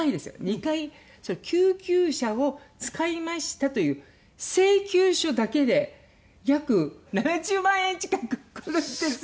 ２回救急車を使いましたという請求書だけで約７０万円近くくるんですよ。